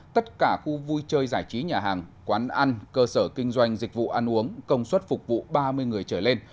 tất cả khu vui chơi giải trí nhà hàng quán ăn cơ sở kinh doanh dịch vụ ăn uống công suất phục vụ ba mươi người trở lên